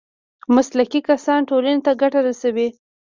مسلکي کسان ټولنې ته ګټه رسوي